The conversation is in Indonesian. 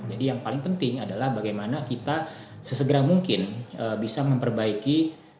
jadi yang paling penting adalah bagaimana kita sesegera mungkin bisa memperbaiki